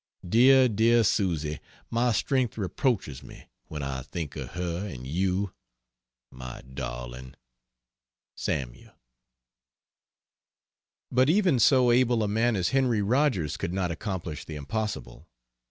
Dear, dear Susy my strength reproaches me when I think of her and you, my darling. SAML. But even so able a man as Henry Rogers could not accomplish the impossible.